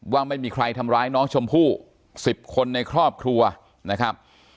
ว่าไม่มีใครทำร้ายน้องชมพู่๑๐คนในครอบครัวนะครับ